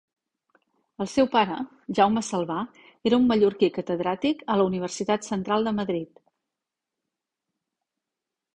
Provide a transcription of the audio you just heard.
El seu pare, Jaume Salvà, era un mallorquí catedràtic a la Universitat Central de Madrid.